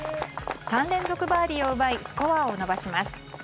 ３連続バーディーを奪いスコアを伸ばします。